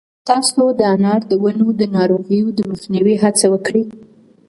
تاسو د انار د ونو د ناروغیو د مخنیوي هڅه وکړئ.